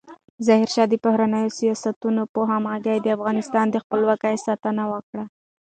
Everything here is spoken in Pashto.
ظاهرشاه د بهرنیو سیاستونو په همغږۍ د افغانستان د خپلواکۍ ساتنه وکړه.